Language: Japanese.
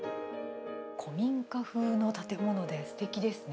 古民家風の建物ですてきですね。